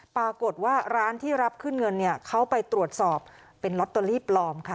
ปรากฏว่าร้านที่รับขึ้นเงินเนี่ยเขาไปตรวจสอบเป็นลอตเตอรี่ปลอมค่ะ